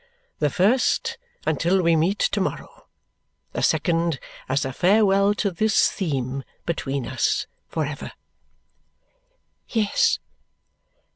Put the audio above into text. "The first until we meet to morrow, the second as a farewell to this theme between us for ever." "Yes."